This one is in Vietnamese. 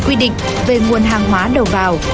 quy định về nguồn hàng hóa đầu vào